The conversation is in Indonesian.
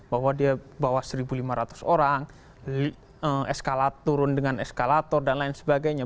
bahwa dia bawa seribu lima ratus orang turun dengan eskalator dan lain sebagainya